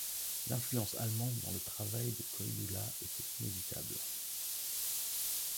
L'influence allemande dans le travail de Koidula était inévitable.